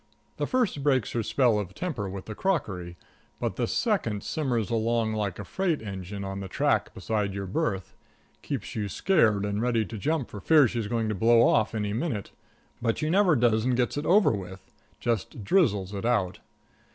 The first breaks her spell of temper with the crockery, but the second simmers along like a freight engine on the track beside your berth keeps you scared and ready to jump for fear she's going to blow off any minute; but she never does and gets it over with just drizzles it out.